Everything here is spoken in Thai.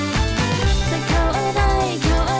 คืออะไรล่ะ